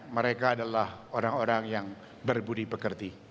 mereka adalah orang orang yang berbudi pekerti